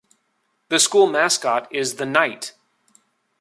The school mascot is the knight.